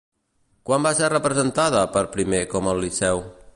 Quan va ser representada per primer com al Liceu?